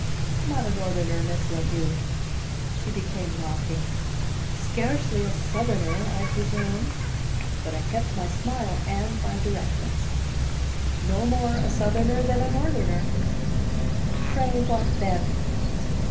"Not a Northerner, Miss La Heu." She became mocking. "Scarcely a Southerner, I presume?" But I kept my smile and my directness. "No more a Southerner than a Northerner." "Pray what, then?"